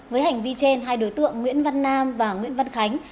với hành vi trên hai đối tượng nguyễn văn nam và nguyễn văn khánh